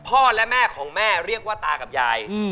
พ่อและแม่ของแม่เรียกว่าตากับยาย